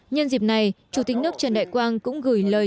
nhân dịp này chủ tịch nước trần đại quang cũng gửi lời